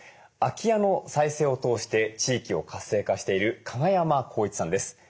空き家の再生を通して地域を活性化している加賀山耕一さんです。